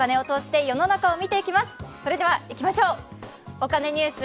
お金ニュース」。